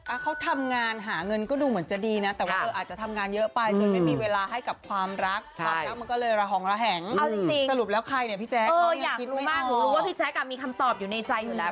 เอออยากรู้มากหนูรู้ว่าพี่แจ๊กอาจมีคำตอบอยู่ในใจอยู่แล้ว